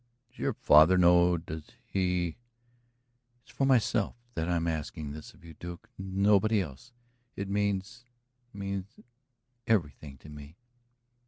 "Does your father know does he " "It's for myself that I'm asking this of you, Duke; nobody else. It means it means everything to me."